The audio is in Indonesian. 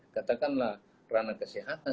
katakanlah ranah kesehatan